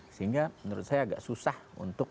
sehingga menurut saya agak susah untuk